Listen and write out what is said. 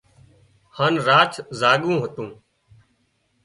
هانَ رات زڳو هتو